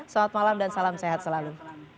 selamat malam dan salam sehat selalu